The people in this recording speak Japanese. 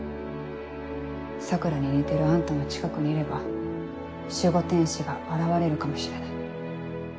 桜に似てるあんたの近くにいれば守護天使が現れるかもしれない。